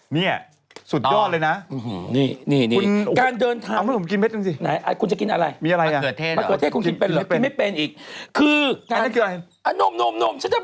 เนี่ยสุดยอดเลยนะ